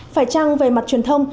phải chăng về mặt truyền thông